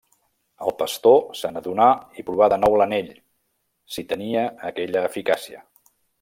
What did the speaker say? El pastor se n'adonà i provà de nou l'anell, si tenia aquella eficàcia.